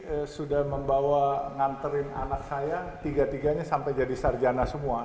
saya sudah membawa nganterin anak saya tiga tiganya sampai jadi sarjana semua